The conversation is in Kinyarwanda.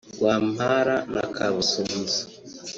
Rwampara na Kabusunzu